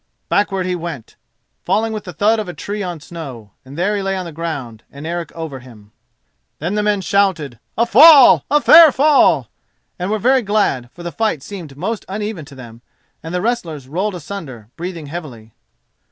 Backward he went, falling with the thud of a tree on snow, and there he lay on the ground, and Eric over him. Then men shouted "A fall! a fair fall!" and were very glad, for the fight seemed most uneven to them, and the wrestlers rolled asunder, breathing heavily.